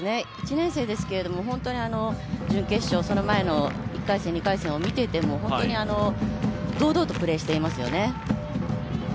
１年生ですけれども、準決勝、その前の１回戦、２回戦を見ていても本当に堂々とプレーしていますよね。